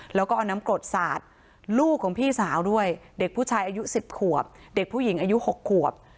แล้วก็เอาน้ำกรดสาดลูกของพี่สาวด้วยเด็กผู้ชายอายุ๑๐ขวบเด็กผู้หญิงอายุ๖ขวบ